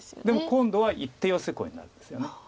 でも今度は一手ヨセコウになるんですよね。